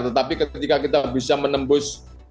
tetapi ketika kita bisa menembus